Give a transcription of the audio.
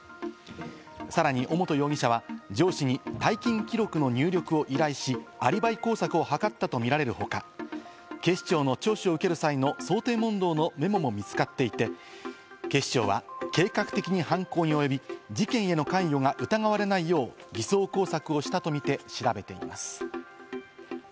さらに尾本容疑者は上司に退勤記録の入力を依頼し、アリバイ工作を図ったとみられるほか、警視庁の聴取を受ける際の想定問答のメモも見つかっていて、警視庁は計画的に犯行に及び、事件への関与が疑われないよう偽装工作をしたとみて調べています。